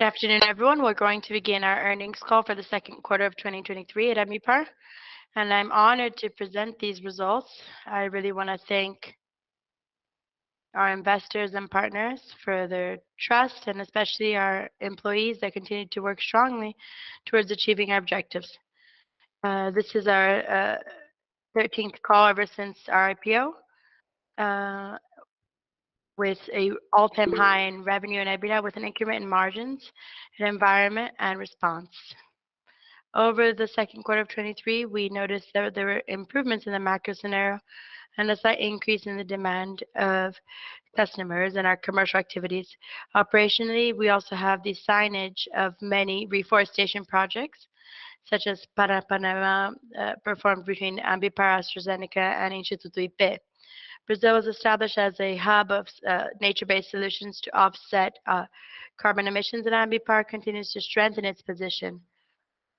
Good afternoon, everyone. We're going to begin our earnings call for the Q2 of 2023 at Ambipar, and I'm honored to present these results. I really wanna thank our investors and partners for their trust, and especially our employees that continue to work strongly towards achieving our objectives. This is our 13th call ever since our IPO, with a all-time high in revenue and EBITDA, with an increment in margins, in Environment and Response. Over the Q2 of 2023, we noticed that there were improvements in the macro scenario, and a slight increase in the demand of customers in our commercial activities. Operationally, we also have the signage of many reforestation projects, such as Paranapanema, performed between Ambipar, AstraZeneca, and Instituto IPÊ. Brazil was established as a hub of nature-based solutions to offset carbon emissions, and Ambipar continues to strengthen its position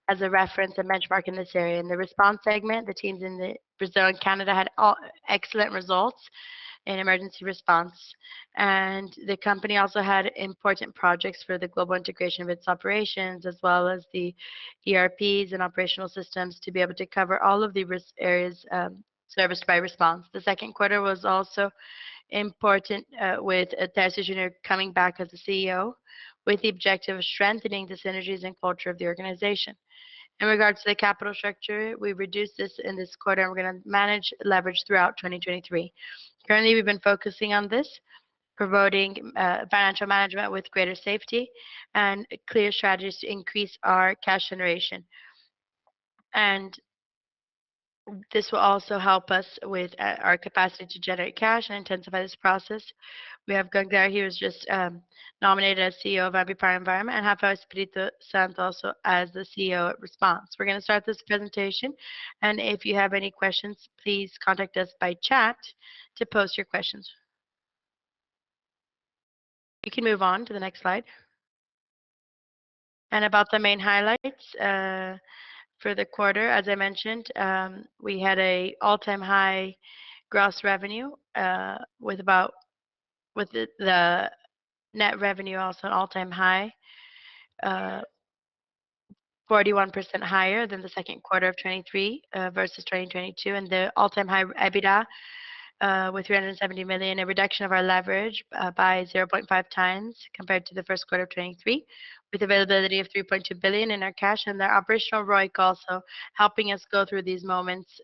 as a reference and benchmark in this area. In the Response segment, the teams in the Brazil and Canada had all excellent results in emergency response. The company also had important projects for the global integration of its operations, as well as the ERPs and operational systems, to be able to cover all of the risk areas serviced by Response. The Q2 was also important, with Tércio Junior coming back as the CEO, with the objective of strengthening the synergies and culture of the organization. In regards to the capital structure, we reduced this in this quarter, and we're gonna manage leverage throughout 2023. Currently, we've been focusing on this, promoting financial management with greater safety and clear strategies to increase our cash generation. This will also help us with our capacity to generate cash and intensify this process. We have Guilherme, he was just nominated as CEO of Ambipar Environment, and Rafael Espírito Santo as the CEO at Response. We're gonna start this presentation, and if you have any questions, please contact us by chat to post your questions. We can move on to the next slide. About the main highlights for the quarter, as I mentioned, we had a all-time high gross revenue, the net revenue also an all-time high, 41% higher than the Q2 of 2023 versus 2022. The all-time high EBITDA, with 370 million, a reduction of our leverage by 0.5x compared to the Q1 of 2023, with availability of 3.2 billion in our cash. Our operational ROIC also helping us go through these moments,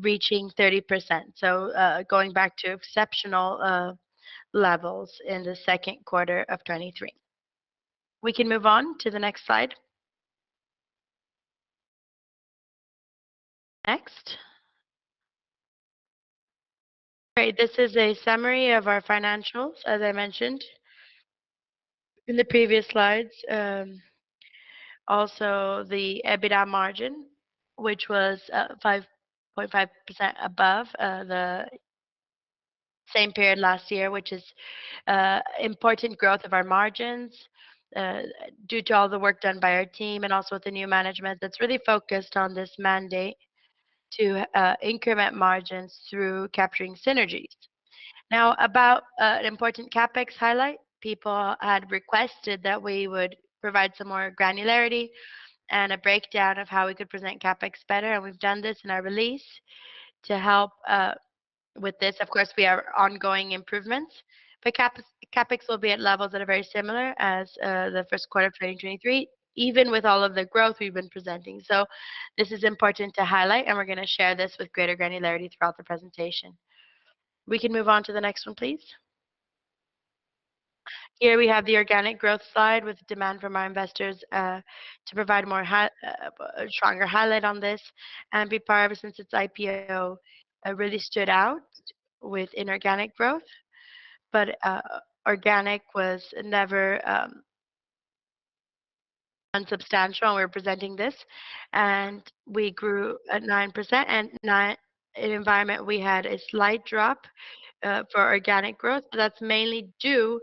reaching 30%. Going back to exceptional levels in the Q2 of 2023. We can move on to the next slide. Next. All right, this is a summary of our financials, as I mentioned in the previous slides. Also, the EBITDA margin, which was 5.5% above the same period last year, which is important growth of our margins, due to all the work done by our team, and also with the new management that's really focused on this mandate to increment margins through capturing synergies. Now, about an important CapEx highlight. People had requested that we would provide some more granularity and a breakdown of how we could present CapEx better, and we've done this in our release to help with this. Of course, we are ongoing improvements, but CapEx, CapEx will be at levels that are very similar as the Q1 of 2023, even with all of the growth we've been presenting. This is important to highlight, and we're gonna share this with greater granularity throughout the presentation. We can move on to the next one, please. Here we have the organic growth slide, with demand from our investors, to provide more high, a stronger highlight on this. Ambipar, ever since its IPO, really stood out with inorganic growth, but organic was never unsubstantial when we were presenting this, and we grew at 9%. In Environment, we had a slight drop for organic growth, but that's mainly due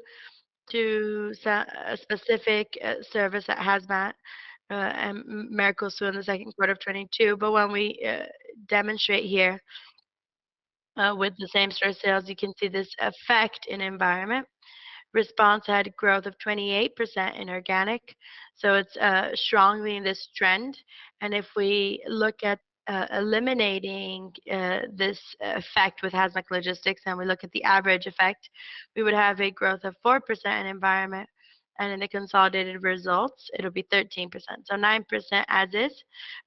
to a specific service, that HAZMAT, and logistics too in the Q2 of 2022. When we demonstrate here, with the same store sales, you can see this effect in Environment. Response had growth of 28% inorganic, so it's strongly in this trend. If we look at eliminating this effect with HAZMAT logistics, and we look at the average effect, we would have a growth of 4% in Environment, and in the consolidated results, it'll be 13%. 9% as is,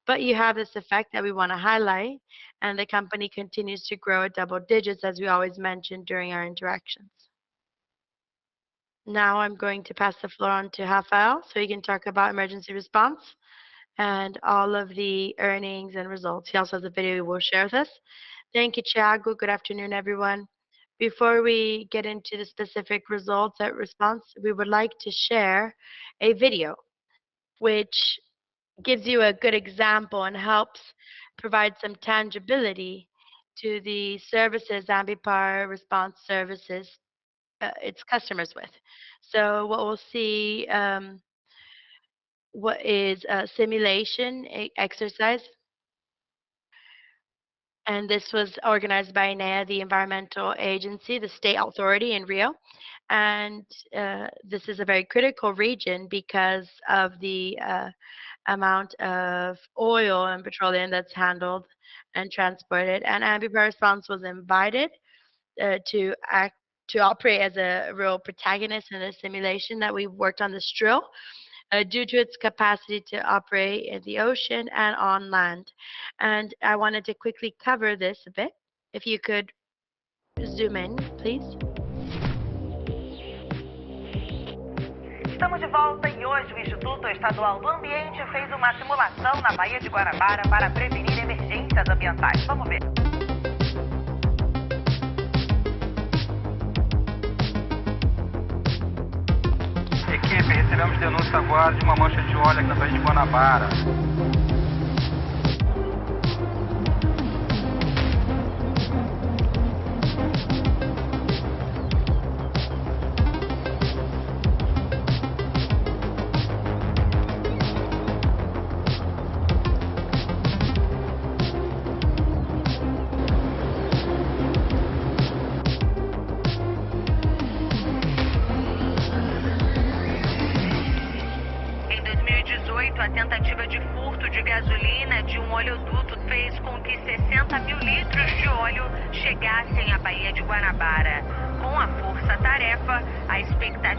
but you have this effect that we wanna highlight, and the company continues to grow at double digits, as we always mention during our interactions. Now, I'm going to pass the floor on to Rafael, so he can talk about Emergency Response and all of the earnings and results. He also has a video he will share with us. Thank you, Thiago. Good afternoon, everyone. Before we get into the specific results at Response, we would like to share a video which gives you a good example, and helps provide some tangibility to the services Ambipar Response services its customers with. What we'll see, what is a simulation exercise. This was organized by INEA, the environmental agency, the state authority in Rio. This is a very critical region because of the amount of oil and petroleum that's handled and transported. Ambipar Response was invited to operate as a real protagonist in the simulation that we worked on this drill due to its capacity to operate in the ocean and on land. I wanted to quickly cover this a bit. If you could zoom in,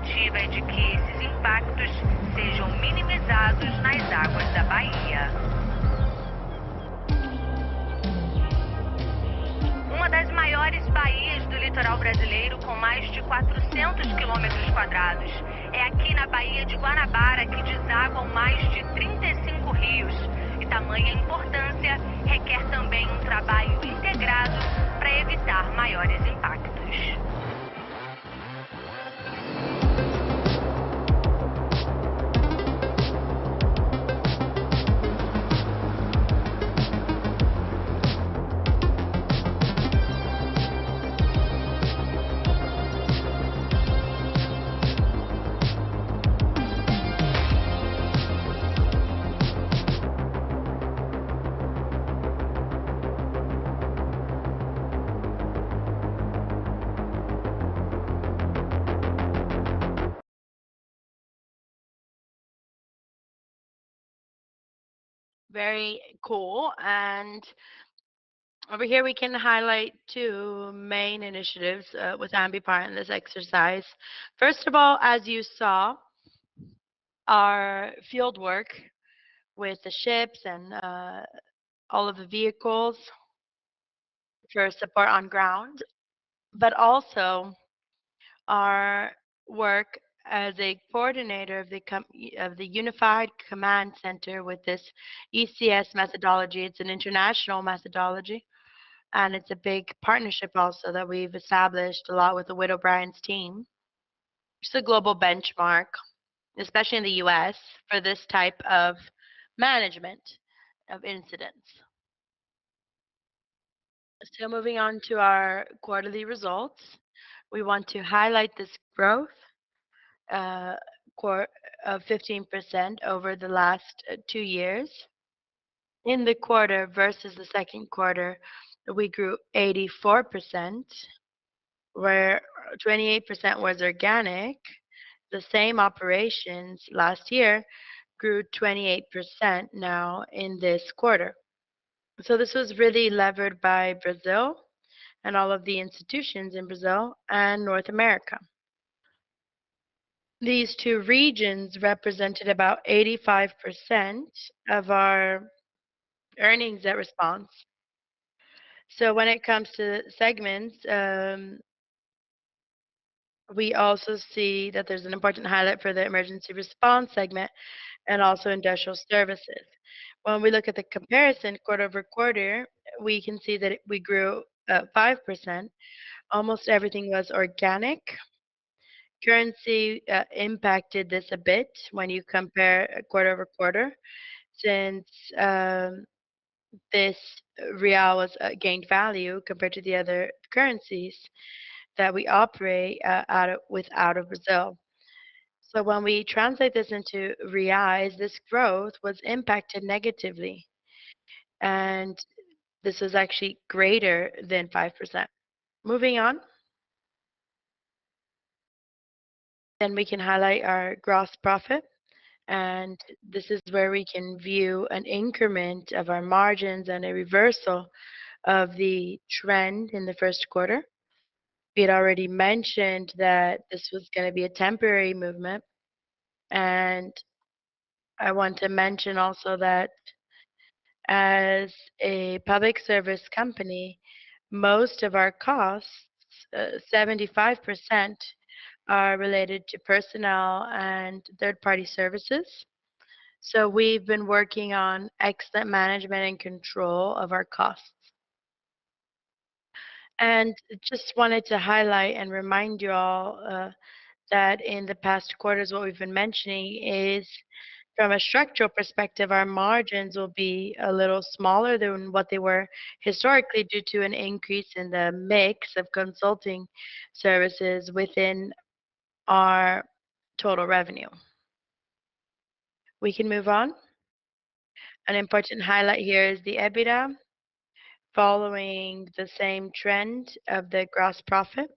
please. Very cool. Over here, we can highlight two main initiatives with Ambipar in this exercise. First of all, as you saw, our field work with the ships and all of the vehicles for support on ground, but also our work as a coordinator of the Unified Command Center with this ICS methodology. It's an international methodology, and it's a big partnership also that we've established a lot with the Witt O'Brien's team. It's a global benchmark, especially in the U.S., for this type of management of incidents. Moving on to our quarterly results, we want to highlight this growth, 15% over the last two years. In the quarter versus the Q2, we grew 84%, where 28% was organic. The same operations last year grew 28% now in this quarter. This was really levered by Brazil and all of the institutions in Brazil and North America. These two regions represented about 85% of our earnings at Response. When it comes to segments, we also see that there's an important highlight for the Emergency Response segment and also Industrial Services. When we look at the comparison quarter-over-quarter, we can see that we grew 5%. Almost everything was organic. Currency impacted this a bit when you compare quarter-over-quarter, since this Real was gained value compared to the other currencies that we operate with out of Brazil. When we translate this into Reais, this growth was impacted negatively, and this is actually greater than 5%. Moving on. We can highlight our gross profit, and this is where we can view an increment of our margins and a reversal of the trend in the Q1. We had already mentioned that this was gonna be a temporary movement. I want to mention also that as a public service company, most of our costs, 75%, are related to personnel and third-party services. We've been working on excellent management and control of our costs. Just wanted to highlight and remind you all that in the past quarters, what we've been mentioning is, from a structural perspective, our margins will be a little smaller than what they were historically due to an increase in the mix of consulting services within our total revenue. We can move on. An important highlight here is the EBITDA, following the same trend of the gross profit,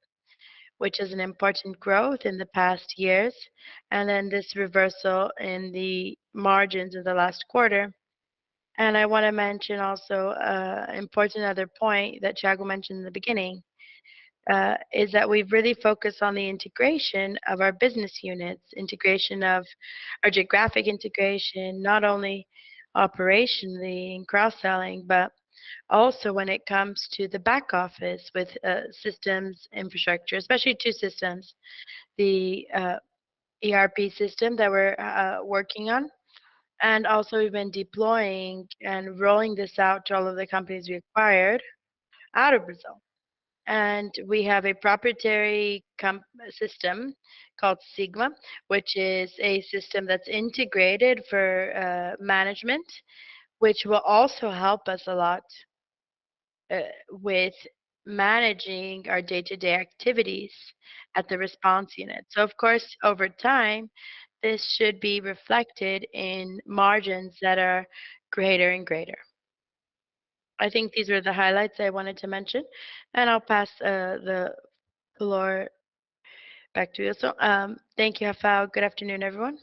which is an important growth in the past years, and then this reversal in the margins in the last quarter. I want to mention also an important other point that Tércio mentioned in the beginning, is that we've really focused on the integration of our business units, integration of our geographic integration, not only operationally in cross-selling, but also when it comes to the back office with systems infrastructure. Especially two systems, the ERP system that we're working on, and also we've been deploying and rolling this out to all of the companies we acquired out of Brazil. We have a proprietary system called Sigma, which is a system that's integrated for management, which will also help us a lot with managing our day-to-day activities at the response unit. Of course, over time, this should be reflected in margins that are greater and greater. I think these were the highlights I wanted to mention. I'll pass the floor back to you. Thank you, Rafael. Good afternoon, everyone.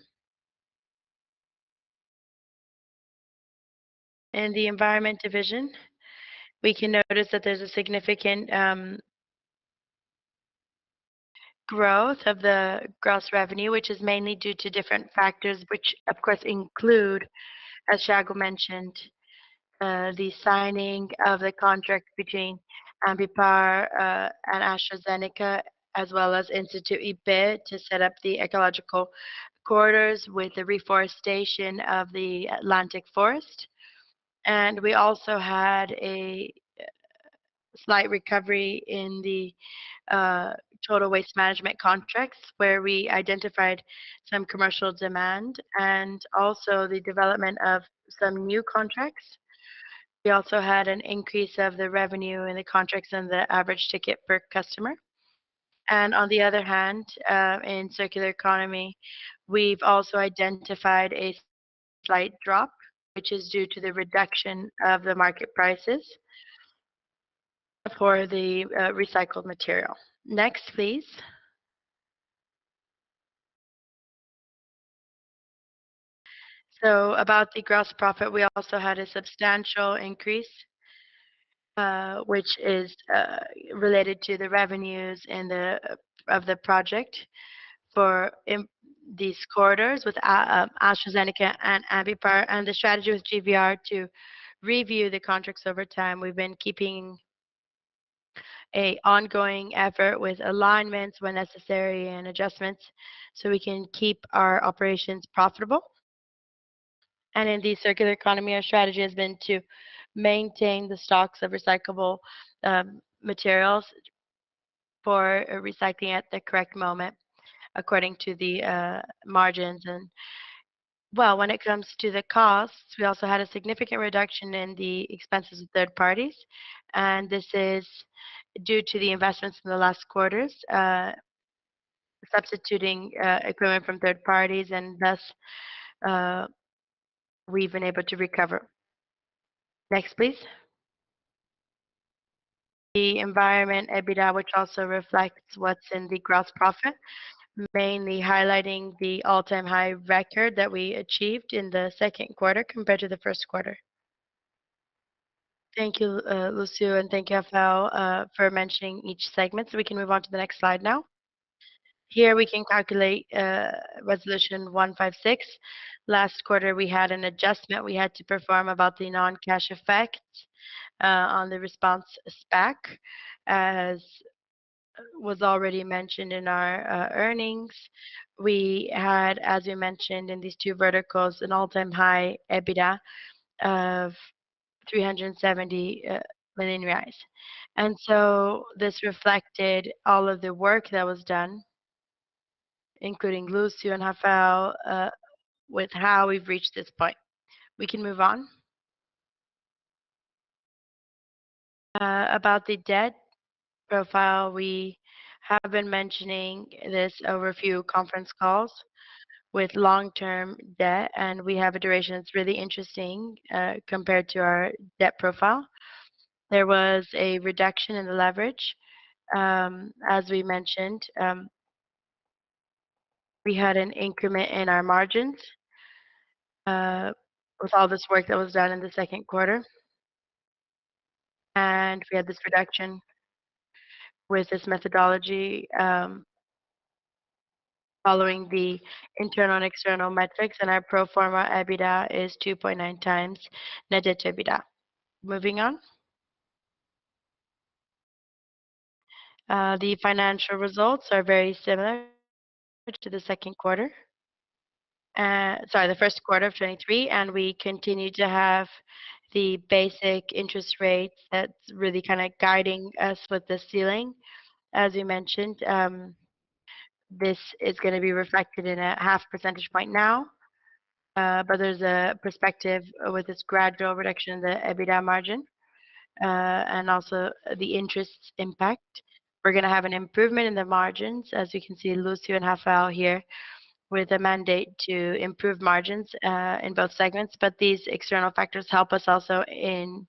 In the Environment division, we can notice that there's a significant growth of the gross revenue, which is mainly due to different factors, which, of course, include, as Tércio mentioned, the signing of the contract between Ambipar and AstraZeneca, as well as Instituto IPÊ, to set up the ecological corridors with the reforestation of the Atlantic Forest. We also had a slight recovery in the total waste management contracts, where we identified some commercial demand and also the development of some new contracts. We also had an increase of the revenue in the contracts and the average ticket per customer. On the other hand, in circular economy, we've also identified a slight drop, which is due to the reduction of the market prices for the recycled material. Next, please. About the gross profit, we also had a substantial increase, which is related to the revenues and the, of the project for these quarters with AstraZeneca and Ambipar, and the strategy with CVR to review the contracts over time. We've been keeping a ongoing effort with alignments when necessary, and adjustments, so we can keep our operations profitable. In the circular economy, our strategy has been to maintain the stocks of recyclable materials for recycling at the correct moment, according to the margins. Well, when it comes to the costs, we also had a significant reduction in the expenses of third parties, and this is due to the investments in the last quarters, substituting equipment from third parties, and thus, we've been able to recover. Next, please. The Environment EBITDA, which also reflects what's in the gross profit, mainly highlighting the all-time high record that we achieved in the Q2 compared to the Q1. Thank you, Lúcio, and thank you, Rafael, for mentioning each segment. We can move on to the next slide now. Here we can calculate CVM Resolution 156. Last quarter, we had an adjustment we had to perform about the non-cash effect on the Response SPAC, as was already mentioned in our earnings. We had, as we mentioned in these two verticals, an all-time high EBITDA of 370 million reais. This reflected all of the work that was done, including Lúcio and Rafael, with how we've reached this point. We can move on. About the debt profile, we have been mentioning this over a few conference calls with long-term debt, and we have a duration that's really interesting compared to our debt profile. There was a reduction in the leverage. As we mentioned, we had an increment in our margins with all this work that was done in the Q2, and we had this reduction with this methodology, following the internal and external metrics, and our pro forma EBITDA is 2.9x net EBITDA. Moving on. The financial results are very similar to the Q2, sorry, the Q1 of 2023, we continue to have the basic interest rates that's really kind of guiding us with the ceiling. As we mentioned, this is going to be reflected in a 0.5 percentage point now, there's a perspective with this gradual reduction in the EBITDA margin, also the interest impact. We're going to have an improvement in the margins, as you can see Lúcio and Rafael here.... With a mandate to improve margins in both segments. These external factors help us also in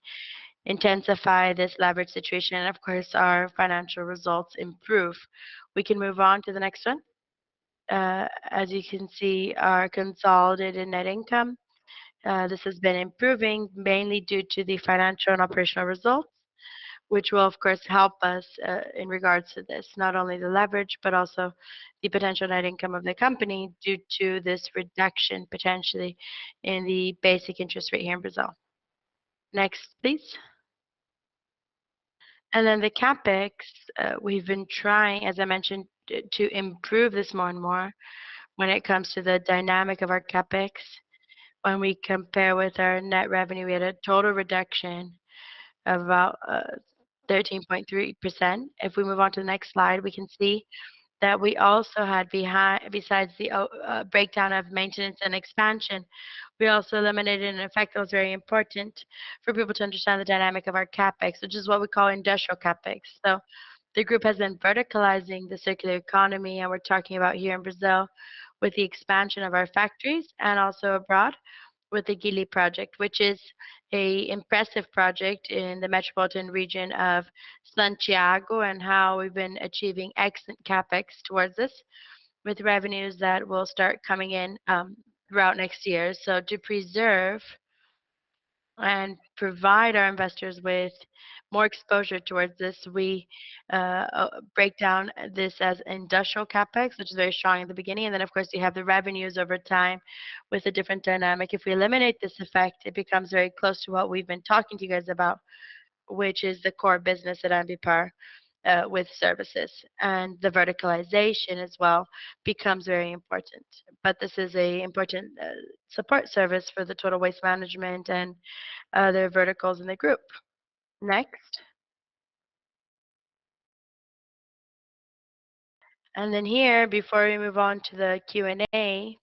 intensify this leverage situation, of course, our financial results improve. We can move on to the next one. As you can see, our consolidated net income, this has been improving mainly due to the financial and operational results, which will, of course, help us in regards to this, not only the leverage, but also the potential net income of the company due to this reduction, potentially in the basic interest rate here in Brazil. Next, please. Then the CapEx, we've been trying, as I mentioned, t-to improve this more and more when it comes to the dynamic of our CapEx. When we compare with our net revenue, we had a total reduction of about 13.3%. If we move on to the next slide, we can see that we also had besides the breakdown of maintenance and expansion, we also eliminated an effect that was very important for people to understand the dynamic of our CapEx, which is what we call industrial CapEx. The group has been verticalizing the circular economy, and we're talking about here in Brazil, with the expansion of our factories and also abroad with the GIRS project, which is a impressive project in the metropolitan region of Santiago, and how we've been achieving excellent CapEx towards this, with revenues that will start coming in throughout next year. To preserve and provide our investors with more exposure towards this, we break down this as industrial CapEx, which is very strong in the beginning. Then, of course, you have the revenues over time with a different dynamic. If we eliminate this effect, it becomes very close to what we've been talking to you guys about, which is the core business at Ambipar, with services. The verticalization as well becomes very important. This is a important support service for the total waste management and other verticals in the group. Next. Here, before we move on to the Q&A,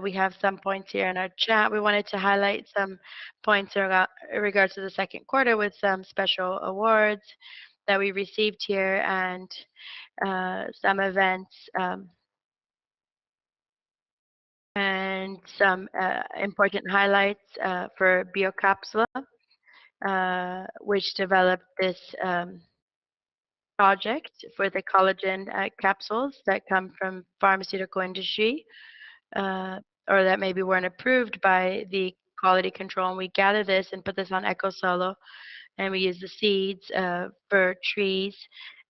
we have some points here in our chat. We wanted to highlight some points about-- in regards to the Q2, with some special awards that we received here and some events and some important highlights for Biocápsula, which developed this project for the collagen capsules that come from pharmaceutical industry, or that maybe weren't approved by the quality control. We gather this and put this on EcoSolo, and we use the seeds, for trees,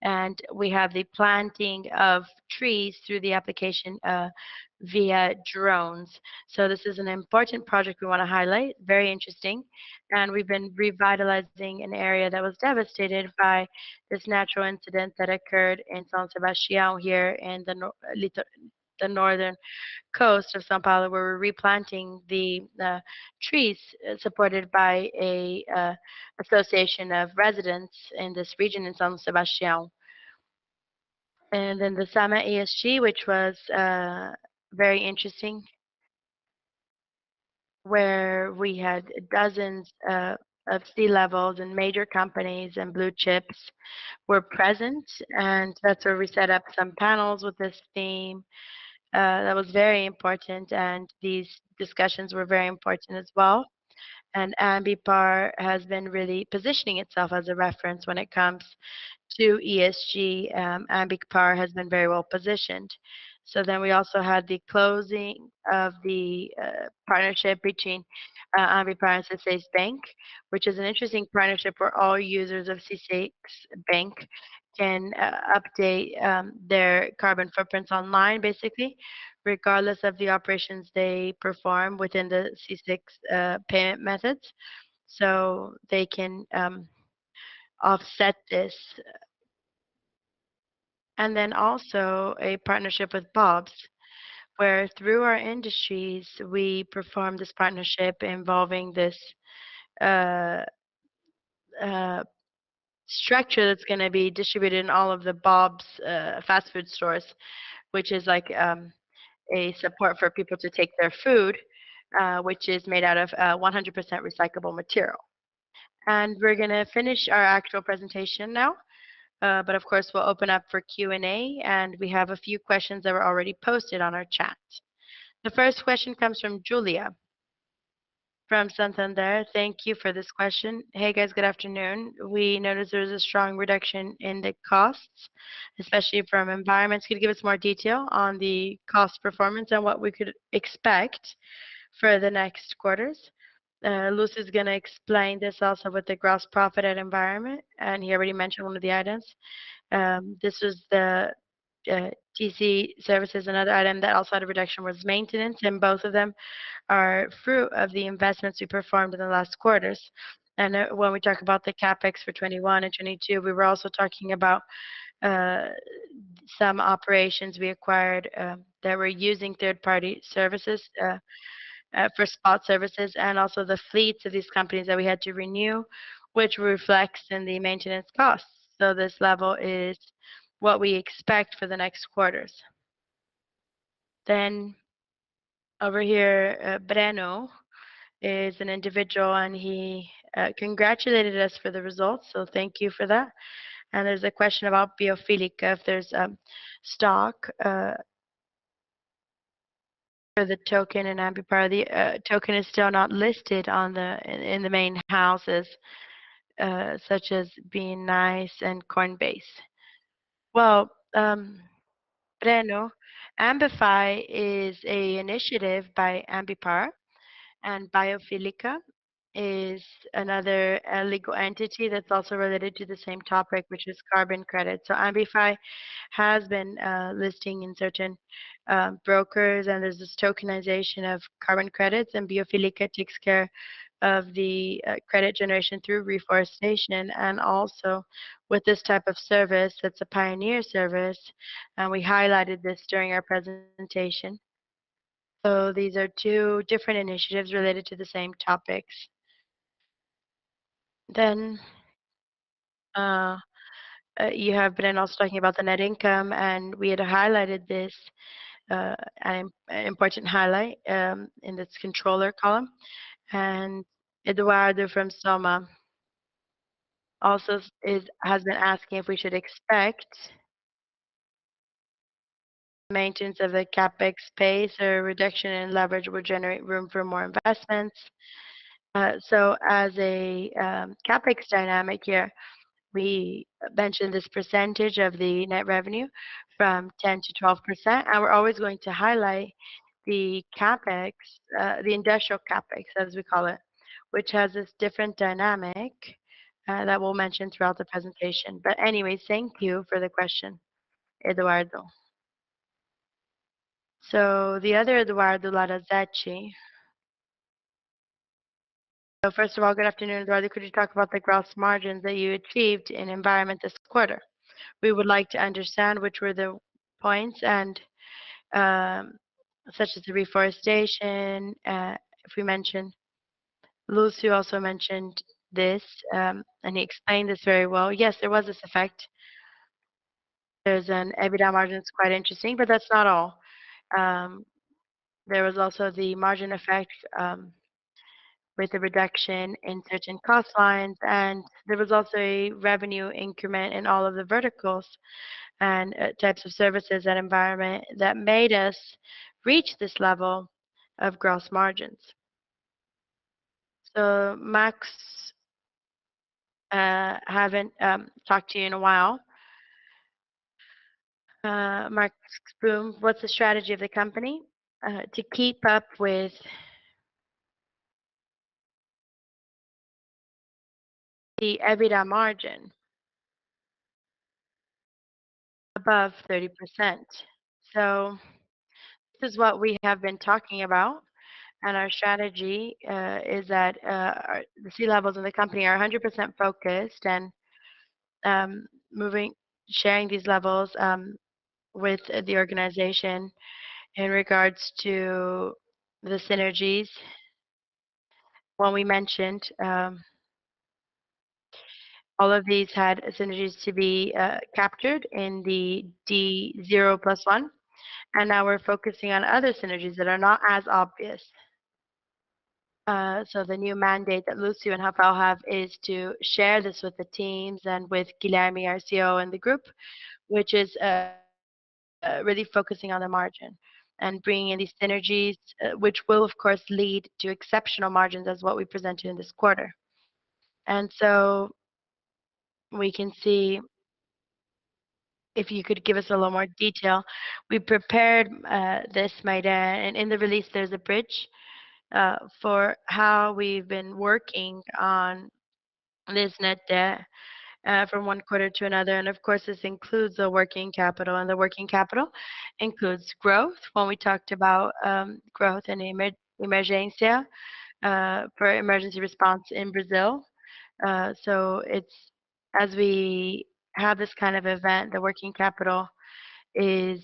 and we have the planting of trees through the application, via drones. This is an important project we want to highlight. Very interesting. We've been revitalizing an area that was devastated by this natural incident that occurred in São Sebastião, here in the nor-- litt-- the northern coast of São Paulo, where we're replanting the, the trees, supported by a, association of residents in this region in São Sebastião. The Summit ESG, which was, very interesting. Where we had dozens, of C-levels and major companies and blue chips were present, and that's where we set up some panels with this theme. That was very important, and these discussions were very important as well. Ambipar has been really positioning itself as a reference when it comes to ESG. Ambipar has been very well positioned. We also had the closing of the partnership between Ambipar and C6 Bank, which is an interesting partnership where all users of C6 Bank can update their carbon footprints online, basically, regardless of the operations they perform within the C6 payment methods, so they can offset this. Also a partnership with Bob's, where through our industries, we performed this partnership involving this structure that's gonna be distributed in all of the Bob's fast food stores, which is like a support for people to take their food, which is made out of 100% recyclable material. We're gonna finish our actual presentation now, but of course, we'll open up for Q&A, and we have a few questions that were already posted on our chat. The first question comes from Giulia, from Santander. Thank you for this question. Hey, guys. Good afternoon. We noticed there was a strong reduction in the costs, especially from Environment. Can you give us more detail on the cost performance and what we could expect for the next quarters? Lúcio is gonna explain this also with the gross profit and Environment, and he already mentioned one of the items. This is the third-party services. Another item that also had a reduction was maintenance, and both of them are fruit of the investments we performed in the last quarters. When we talk about the CapEx for 21 and 22, we were also talking about some operations we acquired that were using third-party services for spot services, and also the fleets of these companies that we had to renew, which reflects in the maintenance costs. This level is what we expect for the next quarters. Over here, Breno is an individual, and he congratulated us for the results, thank you for that. There's a question about Biofílica, if there's stock for the token in Ambipar. The token is still not listed on the main houses, such as Binance and Coinbase. Well, Breno, Ambify is a initiative by Ambipar, and Biofílica is another, a legal entity that's also related to the same topic, which is carbon credit. Ambify has been listing in certain brokers, and there's this tokenization of carbon credits, and Biofílica takes care of the credit generation through reforestation, and also with this type of service, it's a pioneer service, and we highlighted this during our presentation. You have Breno also talking about the net income, and we had highlighted this important highlight in this controller column. Eduardo from Soma also has been asking if we should expect maintenance of the CapEx pace or a reduction in leverage will generate room for more investments. As a CapEx dynamic here, we mentioned this percentage of the net revenue from 10%-12%, and we're always going to highlight the industrial CapEx, as we call it, which has this different dynamic that we'll mention throughout the presentation. Thank you for the question, Eduardo. The other Eduardo Lagreca. First of all, good afternoon, Eduardo. Could you talk about the gross margins that you achieved in Environment this quarter? We would like to understand which were the points such as the reforestation, if we mentioned... Lúcio also mentioned this, and he explained this very well. Yes, there was this effect. There's an EBITDA margin, it's quite interesting, but that's not all. There was also the margin effect with the reduction in certain cost lines, there was also a revenue increment in all of the verticals and types of services and environment that made us reach this level of gross margins. Max, I haven't talked to you in a while. Max Bohm, what's the strategy of the company to keep up with the EBITDA margin above 30%? This is what we have been talking about, our strategy is that the C levels in the company are 100% focused and moving, sharing these levels with the organization in regards to the synergies. When we mentioned, all of these had synergies to be captured in the D zero plus one, now we're focusing on other synergies that are not as obvious. The new mandate that Lúcio and Rafael have is to share this with the teams and with Guilherme, our CEO, and the group, which is really focusing on the margin and bringing in these synergies, which will, of course, lead to exceptional margins as what we presented in this quarter. We can see if you could give us a little more detail. We prepared this material, and in the release, there's a bridge for how we've been working on this Net debt from one quarter to another. Of course, this includes the working capital, and the working capital includes growth. When we talked about growth in Emergência for emergency response in Brazil. As we have this kind of event, the working capital is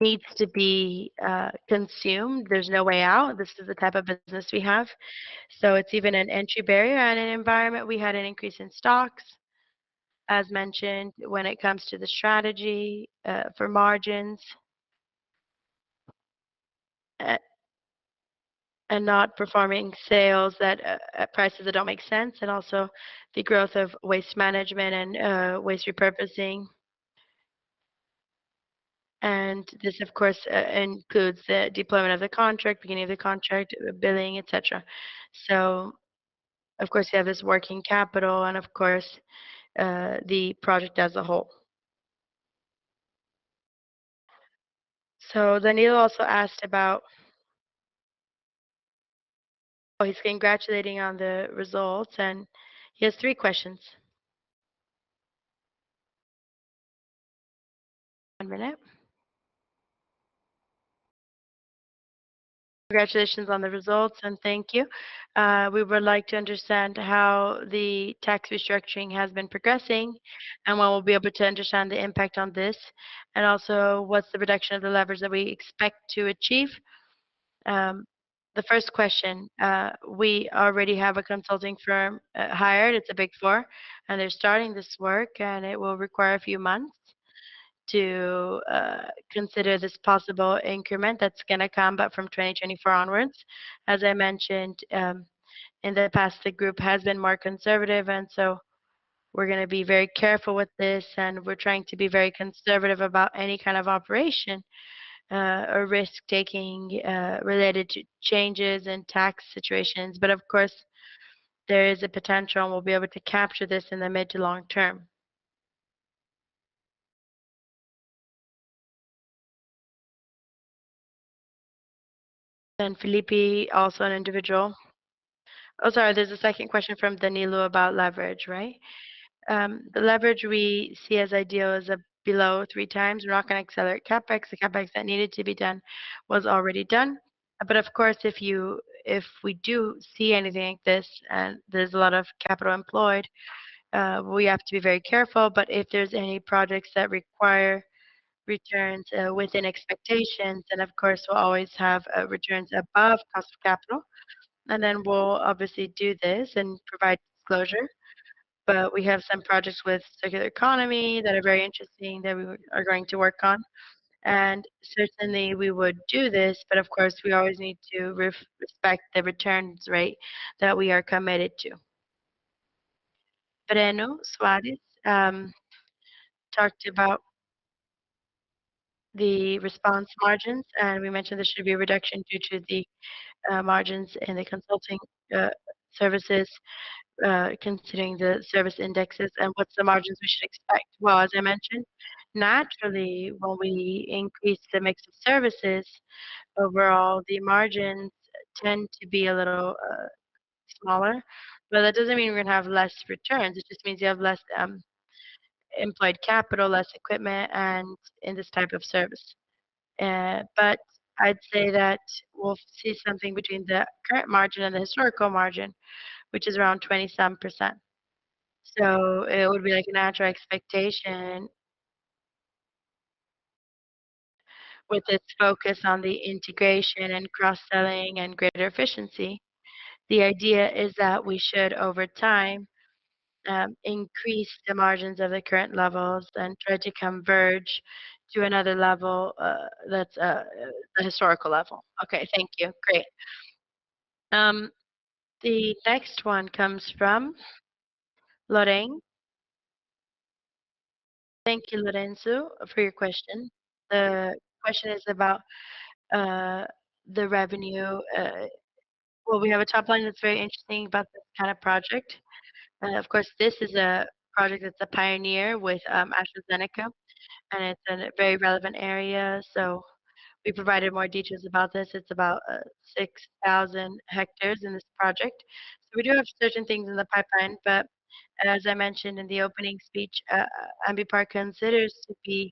needs to be consumed. There's no way out. This is the type of business we have. It's even an entry barrier and an environment. We had an increase in stocks, as mentioned, when it comes to the strategy, for margins, and not performing sales at prices that don't make sense, and also the growth of waste management and waste repurposing. This, of course, includes the deployment of the contract, beginning of the contract, the billing, et cetera. Of course, we have this working capital, and of course, the project as a whole. Danilo also asked about- oh, he's congratulating on the results, and he has three questions. One minute. Congratulations on the results, and thank you. We would like to understand how the tax restructuring has been progressing and when we'll be able to understand the impact on this, and also what's the reduction of the leverage that we expect to achieve? The first question, we already have a consulting firm, hired. It's a Big Four, and they're starting this work, and it will require a few months to, consider this possible increment that's gonna come, but from 2024 onwards. As I mentioned, in the past, the group has been more conservative, and so we're gonna be very careful with this, and we're trying to be very conservative about any kind of operation, or risk-taking, related to changes in tax situations. But of course, there is a potential, and we'll be able to capture this in the mid to long term. Felipe, also an individual. Oh, sorry, there's a second question from Danilo about leverage, right? The leverage we see as ideal is below 3x. We're not gonna accelerate CapEx. The CapEx that needed to be done was already done. Of course, if you-- if we do see anything like this, and there's a lot of capital employed, we have to be very careful. If there's any projects that require returns within expectations, then, of course, we'll always have returns above cost of capital. We'll obviously do this and provide disclosure. We have some projects with circular economy that are very interesting, that we are going to work on, and certainly, we would do this. Of course, we always need to re-respect the returns rate that we are committed to. Breno Soares talked about the response margins. We mentioned there should be a reduction due to the margins in the consulting services, considering the service indexes and what's the margins we should expect. As I mentioned, naturally, when we increase the mix of services, overall, the margins tend to be a little smaller, but that doesn't mean we're gonna have less returns. It just means you have less employed capital, less equipment, and in this type of service. I'd say that we'll see something between the current margin and the historical margin, which is around 27%. It would be like a natural expectation. With this focus on the integration and cross-selling and greater efficiency, the idea is that we should, over time, increase the margins of the current levels and try to converge to another level that's a historical level. Okay, thank you. Great. The next one comes from Lorenzo. Thank you, Lorenzo, for your question. The question is about the revenue. Well, we have a top line that's very interesting about this kind of project, of course, this is a project that's a pioneer with AstraZeneca, and it's in a very relevant area. We provided more details about this. It's about 6,000 hectares in this project. We do have certain things in the pipeline, but as I mentioned in the opening speech, Ambipar considers to be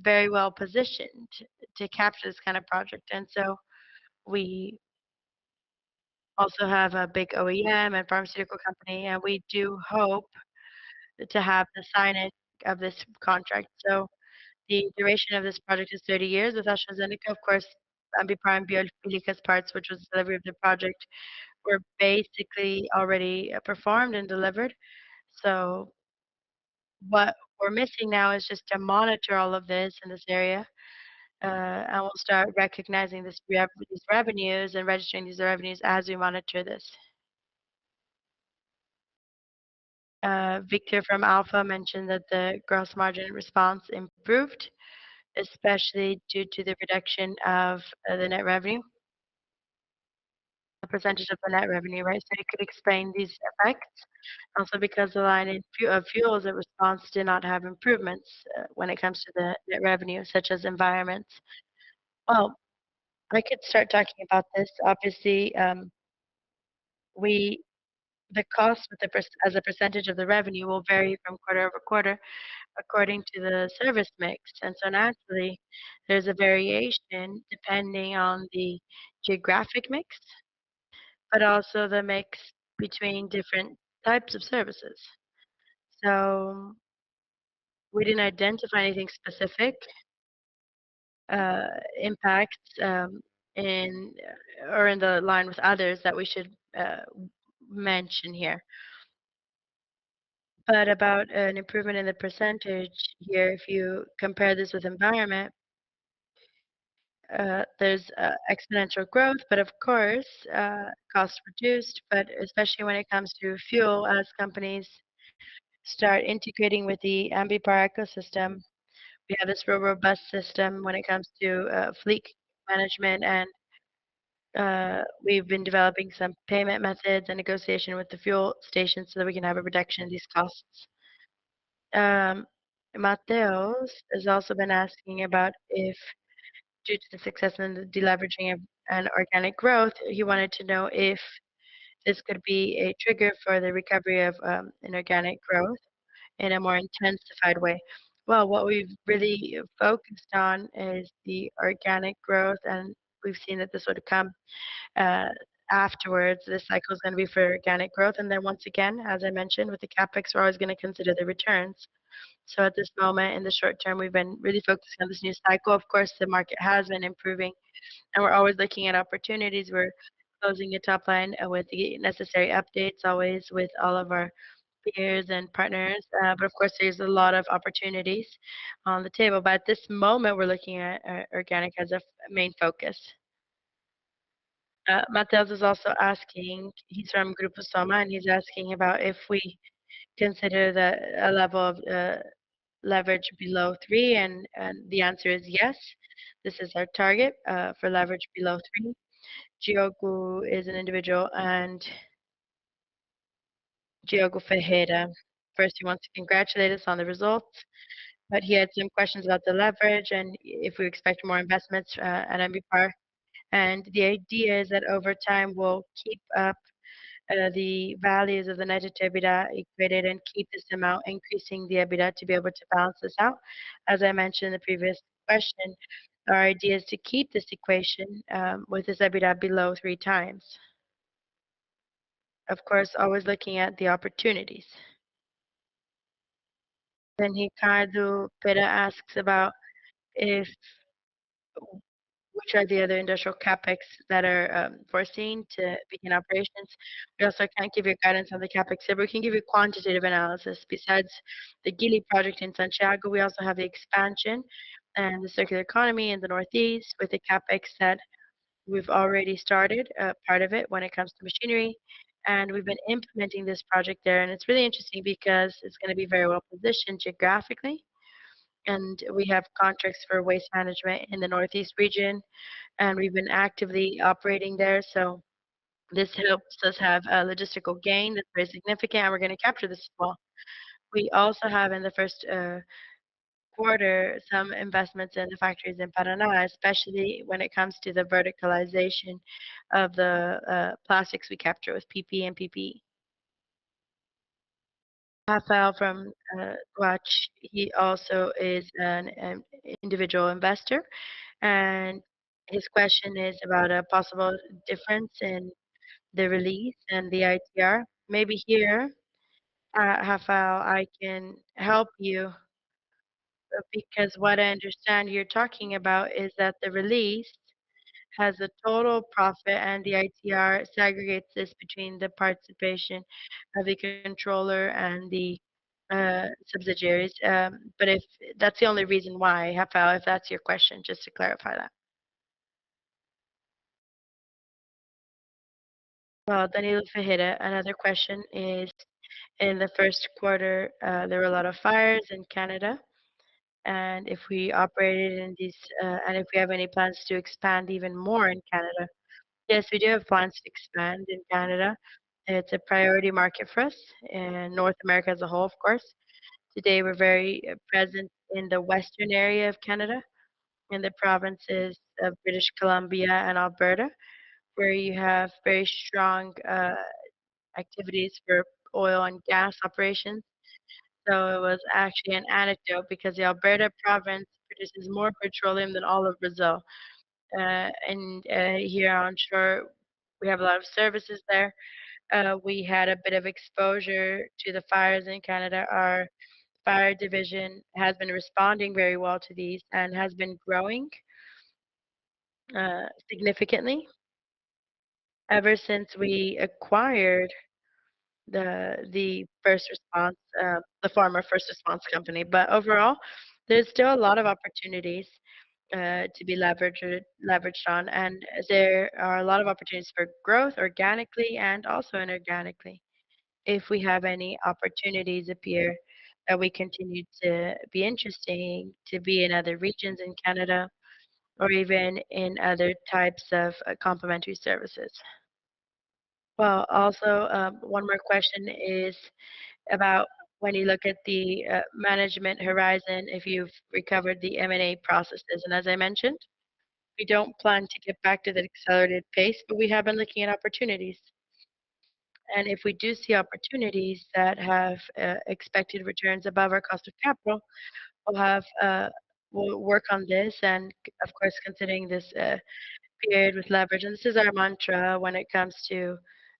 very well positioned to capture this kind of project. We also have a big OEM and pharmaceutical company, and we do hope to have the signing of this contract. The duration of this project is 30 years with AstraZeneca. Of course, Ambipar and Biofílica's parts, which was the delivery of the project, were basically already performed and delivered. What we're missing now is just to monitor all of this in this area, and we'll start recognizing these re- these revenues and registering these revenues as we monitor this. Victor from Alfa mentioned that the gross margin response improved, especially due to the reduction of the net revenue. A percentage of the net revenue, right? You could explain these effects also because the line in fu- of fuels in response did not have improvements when it comes to the net revenue, such as Environment. Well, I could start talking about this. Obviously, the cost as a percentage of the revenue will vary from quarter-over-quarter according to the service mix. So naturally, there's a variation depending on the geographic mix, but also the mix between different types of services. So we didn't identify anything specific impact in or in the line with others that we should mention here. About an improvement in the percentage here, if you compare this with Environment, there's exponential growth, but of course, costs reduced. Especially when it comes to fuel, as companies start integrating with the Ambipar ecosystem, we have this real robust system when it comes to fleet management. We've been developing some payment methods and negotiation with the fuel stations so that we can have a reduction in these costs. Mateus has also been asking about if due to the success in the deleveraging of an organic growth, he wanted to know if this could be a trigger for the recovery of an organic growth in a more intensified way. Well, what we've really focused on is the organic growth, and we've seen that afterwards, this cycle is going to be for organic growth. Then once again, as I mentioned, with the CapEx, we're always going to consider the returns. At this moment, in the short term, we've been really focused on this new cycle. Of course, the market has been improving, and we're always looking at opportunities. We're closing the top line with the necessary updates, always with all of our peers and partners. Of course, there's a lot of opportunities on the table. At this moment, we're looking at organic as our main focus. Mateus is also asking-- He's from Grupo Soma, and he's asking about if we consider a level of leverage below three, and the answer is yes. This is our target for leverage below 3. Diogo is an individual, and Diogo Ferreira. First, he wants to congratulate us on the results, but he had some questions about the leverage and if we expect more investments at Ambipar. The idea is that over time, we'll keep up the values of the net EBITDA equated and keep this amount, increasing the EBITDA to be able to balance this out. As I mentioned in the previous question, our idea is to keep this equation with this EBITDA below 3x. Of course, always looking at the opportunities. Ricardo Pereira asks about which are the other industrial CapEx that are foreseen to begin operations? We also can't give you guidance on the CapEx, but we can give you quantitative analysis. Besides the GIRI project in Santiago, we also have the expansion and the circular economy in the Northeast with the CapEx that we've already started, a part of it, when it comes to machinery, and we've been implementing this project there. It's really interesting because it's going to be very well positioned geographically, and we have contracts for waste management in the Northeast region, and we've been actively operating there. This helps us have a logistical gain that's very significant, and we're going to capture this well. We also have in the Q1, some investments in the factories in Paranavaí, especially when it comes to the verticalization of the plastics we capture with PP and PE. Rafael from Reach or Garde, he also is an individual investor. His question is about a possible difference in the release and the ITR. Maybe here, Rafael, I can help you, because what I understand you're talking about is that the release has a total profit. The ITR segregates this between the participation of the controller and the subsidiaries. If that's the only reason why, Rafael, if that's your question, just to clarify that. Well, Danilo Ferreira, another question is, in the Q1, there were a lot of fires in Canada, and if we operated in these, and if we have any plans to expand even more in Canada? Yes, we do have plans to expand in Canada. It's a priority market for us and North America as a whole, of course. Today, we're very present in the western area of Canada, in the provinces of British Columbia and Alberta, where you have very strong activities for oil and gas operations. It was actually an anecdote because the Alberta province produces more petroleum than all of Brazil. Here on shore, we have a lot of services there. We had a bit of exposure to the fires in Canada. Our fire division has been responding very well to these and has been growing significantly ever since we acquired the former first response company. Overall, there's still a lot of opportunities to be leveraged, leveraged on, and there are a lot of opportunities for growth organically and also inorganically. If we have any opportunities appear, we continue to be interesting to be in other regions in Canada or even in other types of complementary services. Well, also, one more question is about when you look at the management horizon, if you've recovered the M&A processes. As I mentioned, we don't plan to get back to the accelerated pace, but we have been looking at opportunities. If we do see opportunities that have expected returns above our cost of capital, we'll have we'll work on this, and of course, considering this period with leverage. This is our mantra when it comes to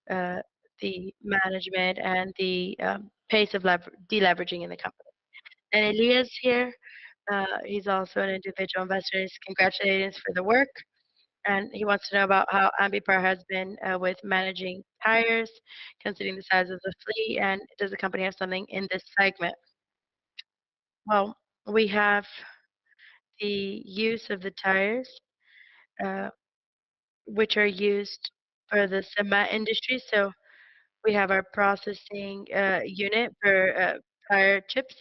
the management and the pace of deleveraging in the company. Elias here, he's also an individual investor. He's congratulating us for the work, and he wants to know about how Ambipar has been with managing tires, considering the size of the fleet, and does the company have something in this segment? Well, we have the use of the tires, which are used for the cement industry. We have our processing unit for tire chips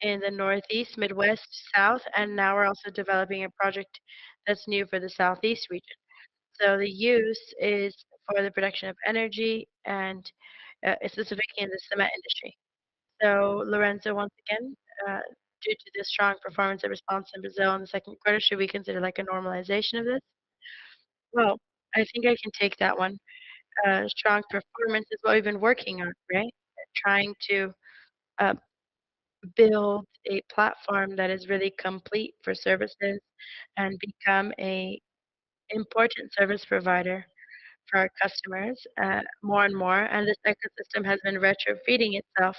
in the Northeast, Midwest, South, and now we're also developing a project that's new for the Southeast region. The use is for the production of energy and specifically in the cement industry. Lorenzo, once again, due to the strong performance of Response in Brazil in the Q2, should we consider like a normalization of this? Well, I think I can take that one. Strong performance is what we've been working on, right? Trying to build a platform that is really complete for services and become a important service provider for our customers, more and more. This ecosystem has been retro feeding itself,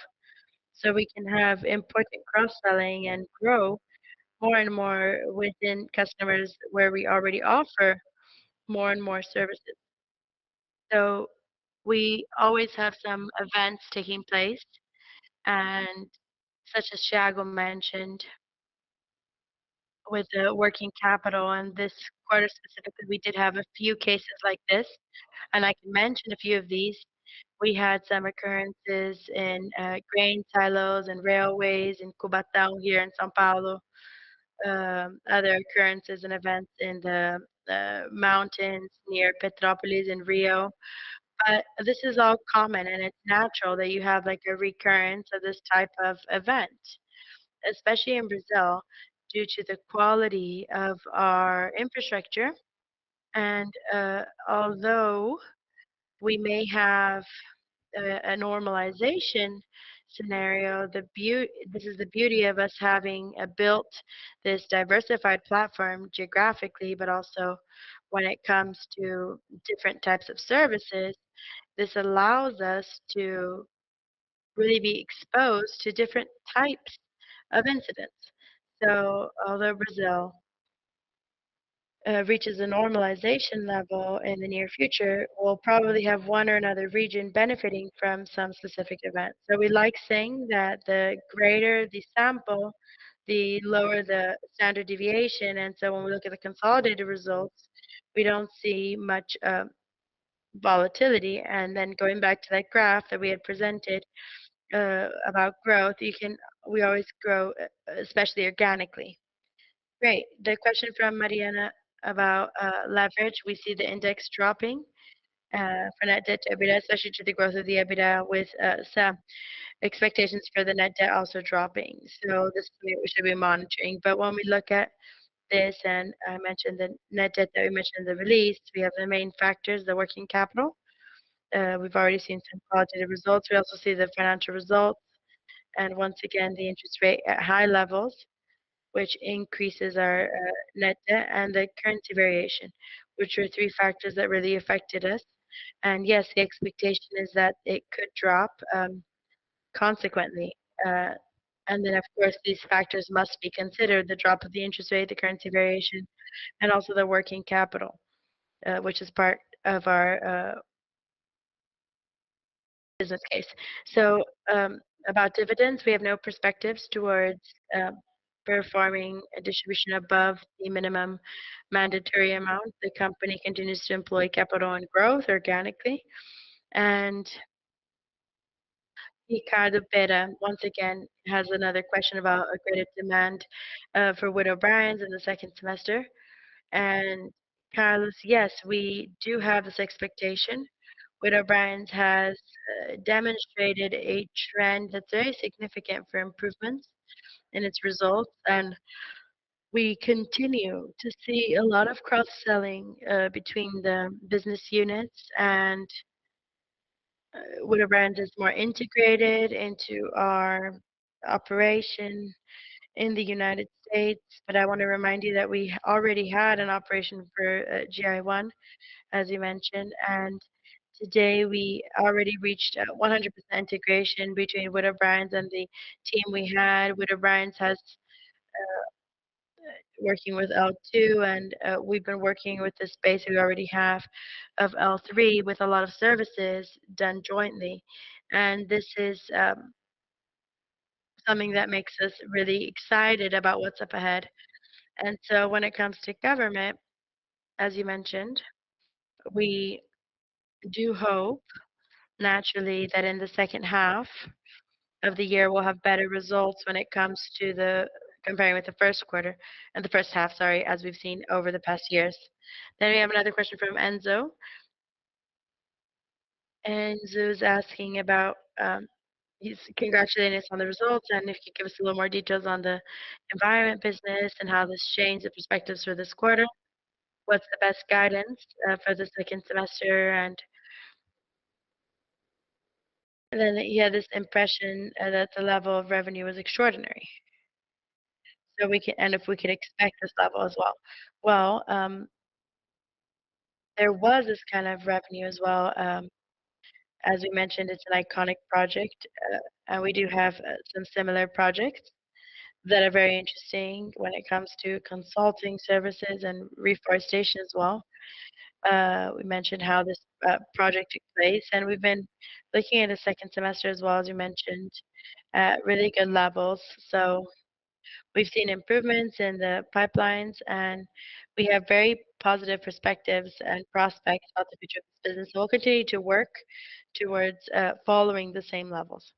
so we can have important cross-selling and grow more and more within customers, where we already offer more and more services. We always have some events taking place, and such as Tércio mentioned, with the working capital and this quarter specifically, we did have a few cases like this. I can mention a few of these. We had some occurrences in grain silos and railways in Cubatão, here in São Paulo. Other occurrences and events in the, the mountains near Petrópolis in Rio. This is all common, and it's natural that you have, like, a recurrence of this type of event, especially in Brazil, due to the quality of our infrastructure. Although we may have a, a normalization scenario, the beau- this is the beauty of us having built this diversified platform geographically, but also when it comes to different types of services, this allows us to really be exposed to different types of incidents. Although Brazil reaches a normalization level in the near future, we'll probably have one or another region benefiting from some specific event. We like saying that the greater the sample, the lower the standard deviation, when we look at the consolidated results, we don't see much volatility. Going back to that graph that we had presented about growth, we always grow, especially organically. Great! The question from Mariana about leverage. We see the index dropping for net debt to EBITDA, especially to the growth of the EBITDA, with some expectations for the net debt also dropping. This we, we should be monitoring. When we look at this, and I mentioned the net debt that we mentioned in the release, we have the main factors, the working capital. We've already seen some positive results. We also see the financial results, once again, the interest rate at high levels, which increases our net debt and the currency variation, which are three factors that really affected us. Yes, the expectation is that it could drop consequently. Of course, these factors must be considered: the drop of the interest rate, the currency variation, and also the working capital, which is part of our business case. About dividends, we have no perspectives towards performing a distribution above the minimum mandatory amount. The company continues to employ capital and growth organically. Ricardo Pereira, once again, has another question about a credit demand for Witt O'Briens in the second semester. Claro, yes, we do have this expectation. Witt O'Brien's has demonstrated a trend that's very significant for improvements in its results, and we continue to see a lot of cross-selling between the business units. Witt O'Brien's is more integrated into our operation in the United States. I want to remind you that we already had an operation for L1, as you mentioned, and today we already reached a 100% integration between Witt O'Brien's and the team we had. Witt O'Brien's has working with L2, and we've been working with the space we already have of L3, with a lot of services done jointly. This is something that makes us really excited about what's up ahead. When it comes to government, as you mentioned, we do hope, naturally, that in the H2 of the year, we'll have better results when it comes to the comparing with the Q1 and the H1, sorry, as we've seen over the past years. We have another question from Enzo. Enzo is asking about he's congratulating us on the results and if he could give us a little more details on the environment business and how this changed the perspectives for this quarter. What's the best guidance for the second semester? He had this impression that the level of revenue was extraordinary, and if we could expect this level as well. Well, there was this kind of revenue as well. As we mentioned, it's an iconic project, and we do have some similar projects that are very interesting when it comes to consulting services and reforestation as well. We mentioned how this project took place, and we've been looking at the second semester as well, as you mentioned, at really good levels. We've seen improvements in the pipelines, and we have very positive perspectives and prospects about the future of this business. We'll continue to work towards following the same levels.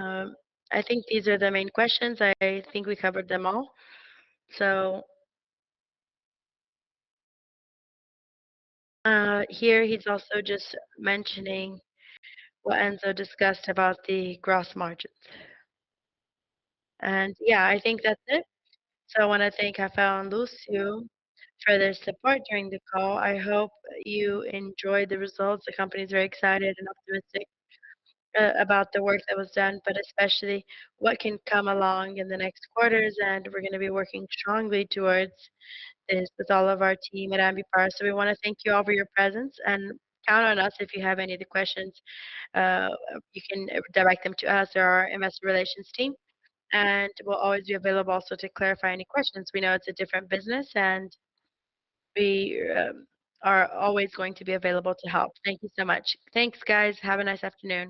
I think these are the main questions. I think we covered them all. Here, he's also just mentioning what Enzo discussed about the gross margins. Yeah, I think that's it. I want to thank Rafael and Lúcio for their support during the call. I hope you enjoyed the results. The company is very excited and optimistic about the work that was done, but especially what can come along in the next quarters. We're going to be working strongly towards this with all of our team at Ambipar. We want to thank you all for your presence, and count on us if you have any other questions. You can direct them to us or our investor relations team. We'll always be available also to clarify any questions. We know it's a different business. We are always going to be available to help. Thank you so much. Thanks, guys. Have a nice afternoon.